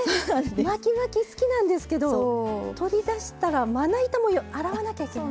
巻き巻き好きなんですけど取り出したらまな板も洗わなきゃいけない。